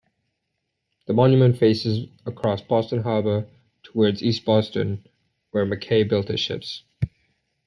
The monument faces across Boston Harbor towards East Boston, where McKay built his ships.